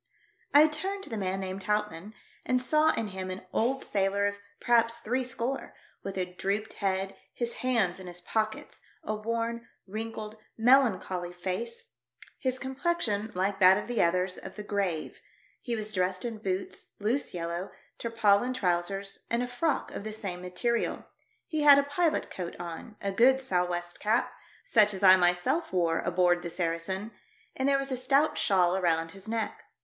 I turned to the man named Houtmann, and saw in him an old sailor of perhaps three score, with a drooped head, his hands in his pockets, a worn, wrinkled, melancholy face, his complexion, like that of the others, of the grave ; he was dressed in boots, loose yellow, tarpaulin trousers, and a frock of the same material ; he had a pilot coat on, a good sou' west cap — such as I myself wore aboard the Saracen — and there was a stout shawl around his neck.